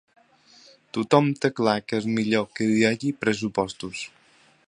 Tothom té clar que és millor que hi hagi pressupostos.